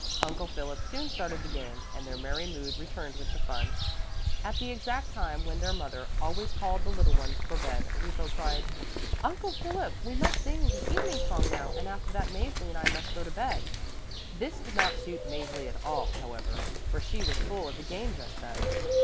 Uncle Philip soon started the game, and their merry mood returned with the fun. At the exact time when their mother always called the little ones for bed Lippo cried, "Uncle Philip, we must sing the evening song now and after that Mäzli and I must go to bed." This did not suit Mäzli at all, however, for she was full of the game just then.